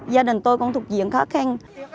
gia đình tôi cũng thục diễn khá khen